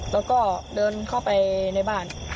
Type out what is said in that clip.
แล้วก็เดินเข้าไปในบ้าน